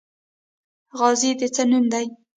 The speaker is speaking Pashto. غازی د څه نوم دی؟